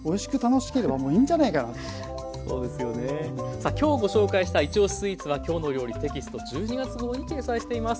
さあ今日ご紹介した「いちおしスイーツ」は「きょうの料理」テキスト１２月号に掲載しています。